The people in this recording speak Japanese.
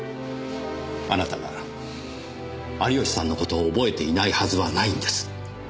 あなたが有吉さんのことを憶えていないはずはないんです。